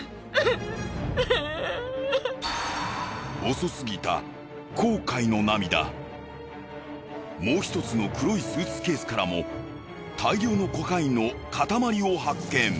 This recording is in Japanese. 遅すぎたもう１つの黒いスーツケースからも大量のコカインの塊を発見。